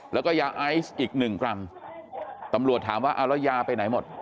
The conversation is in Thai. แล้วก็ยาไอซ์อีกหนึ่งกรัมตำรวจถามว่าเอาแล้วยาไปไหนหมด